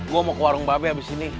gue mau ke warung bape abis ini